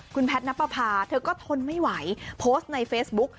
คุณแพทย์นับประพาเธอก็ทนไม่ไหวโพสต์ในเฟซบุ๊ก